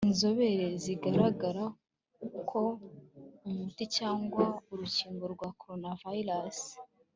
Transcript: inzobere zigaragaza ko umuti cyangwa urukingo rwa coronavirus